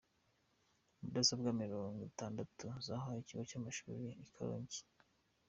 Mudasobwa mirongo itandatu zahawe ikigo cy’amashuri ikarongi